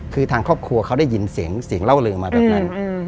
คือทางครอบครัวเขาได้ยินเสียงเสียงเล่าลืมมาแบบนั้น